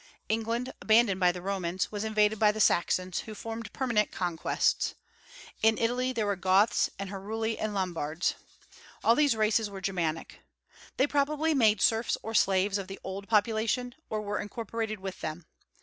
England, abandoned by the Romans, was invaded by the Saxons, who formed permanent conquests. In Italy there were Goths and Heruli and Lombards. All these races were Germanic. They probably made serfs or slaves of the old population, or were incorporated with them.